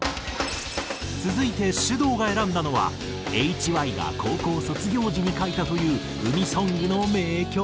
続いてｓｙｕｄｏｕが選んだのはＨＹが高校卒業時に書いたという海ソングの名曲。